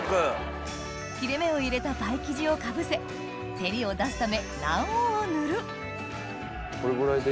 切れ目を入れたパイ生地をかぶせ照りを出すため卵黄を塗るこれぐらいで。